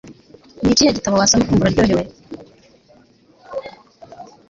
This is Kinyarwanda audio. nikihe gitabo wasoma ukumva uraryohewe?